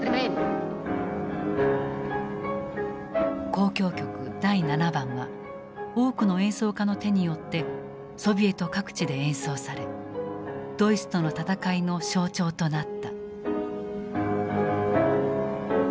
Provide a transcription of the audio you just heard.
「交響曲第７番」は多くの演奏家の手によってソビエト各地で演奏されドイツとの戦いの象徴となった。